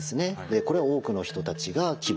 これは多くの人たちが希望します。